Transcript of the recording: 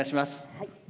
はい。